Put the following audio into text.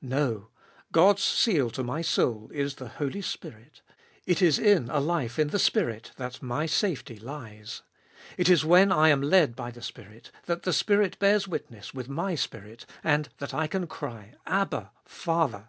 No, God's seal to my soul is the Holy Spirit ; it is in a life in the Spirit that my safety lies ; it is when I am led by the Spirit that the Spirit bears witness with my spirit, and that I can cry Abba, Father (Rom.